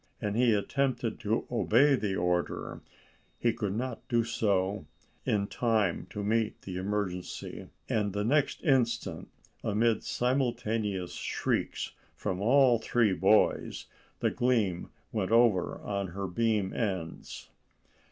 and he attempted to obey the order, he could not do so in time to meet the emergency, and the next instant, amid simultaneous shrieks from all three boys, the Gleam went over on her beam ends.